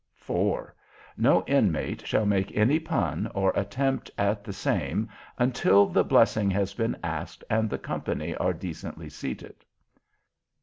4. No Inmate shall make any Pun, or attempt at the same, until the Blessing has been asked and the company are decently seated.